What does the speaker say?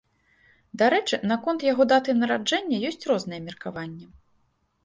Дарэчы, наконт яго даты нараджэння ёсць розныя меркаванні.